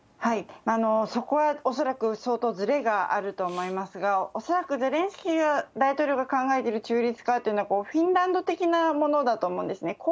そこは恐らく相当ずれがあると思いますが、恐らくゼレンスキー大統領が考えている中立化というのは、フィンランド的なものだと思うんですね。